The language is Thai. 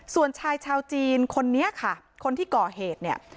ส่วนชายชาวจีนคนนี้ค่ะคนที่ก่อเหตุเนี่ย